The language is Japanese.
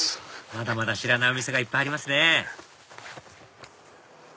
まだまだ知らないお店がいっぱいありますね